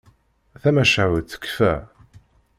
Tamacahut tekfa.